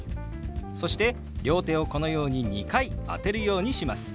そして両手をこのように２回当てるようにします。